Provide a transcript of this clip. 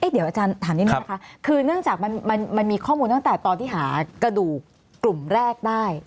เดี๋ยวอาจารย์ถามนิดนึงนะคะคือเนื่องจากมันมีข้อมูลตั้งแต่ตอนที่หากระดูกกลุ่มแรกได้